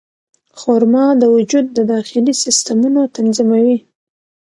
خرما د وجود د داخلي سیستمونو تنظیموي.